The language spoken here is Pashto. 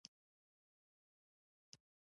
ګناهکار مختلسین دي.